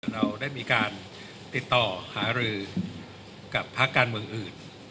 เราได้มีการติดต่อหารือกับภาคการเมืองอื่น